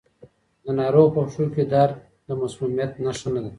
د ناروغ په پښو کې درد د مسمومیت نښه نه ده.